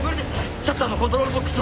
シャッターのコントロールボックスは？